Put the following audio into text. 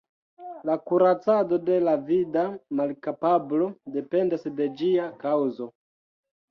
La kuracado de la vida malkapablo dependas de ĝia kaŭzo.